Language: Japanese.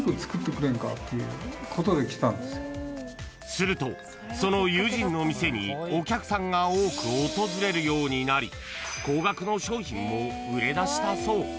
［するとその友人の店にお客さんが多く訪れるようになり高額の商品も売れだしたそう］